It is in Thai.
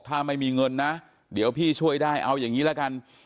ถ้าไม่มีเงินนะเดี๋ยวพี่ช่วยได้เอาอย่างนี้ละกัน